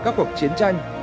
và các cuộc chiến tranh